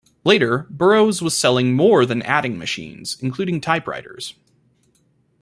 Later, Burroughs was selling more than adding machines, including typewriters.